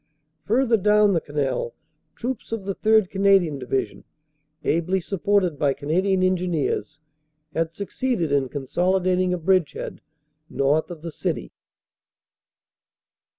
Further down the canal troops of the 3rd. Canadian Division, ably supported by Canadian Engineers, had succeeded in consolidating a bridge head north of the city.